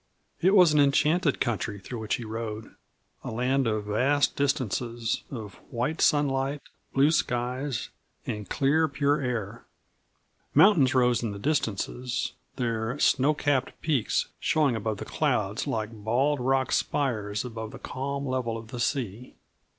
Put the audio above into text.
It was an enchanted country through which he rode; a land of vast distances, of white sunlight, blue skies, and clear, pure air. Mountains rose in the distances, their snowcapped peaks showing above the clouds like bald rock spires above the calm level of the sea.